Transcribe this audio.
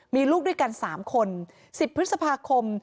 มีลูกด้วยกัน๓คน๑๐พฤษภาคม